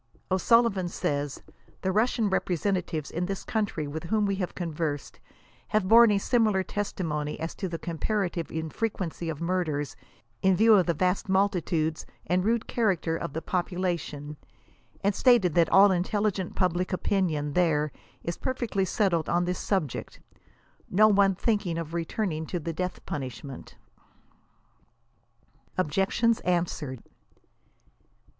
O'Sullivan says, " the Russian representatives in this country with whom we have conversed, have borne a similar testi mony as to the comparative infrequency of murders, in view of the vast multitudes and rude character of the population ; and stated that all the intelligent public opinion there is perfectly settled on this subject, no one thinking of returning to the death punishment." OBJECTIONS ANSWERED.